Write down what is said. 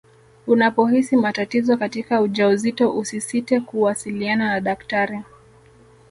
unapohisi matatizo katika ujauzito usisite kuwasiliana na daktari